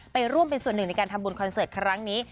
ไปร่วมเป็นส่วนหนึ่งในการทำบุญคอนเสิร์ตครั้งนี้